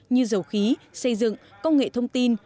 như dầu khí xây dựng công nghệ thông tin